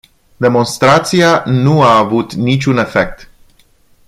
Demonstrația nu a avut niciun efect.